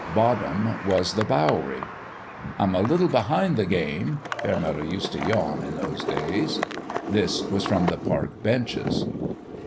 Bottom was the Bowery. " I'm a little behind the game," Fairmeadow used to yawn, in those days. This was from the park benches.